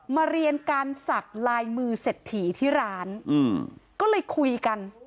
มาเรียนการสักลายมือเสร็จถี่ที่ร้านอืมก็เลยคุยกัน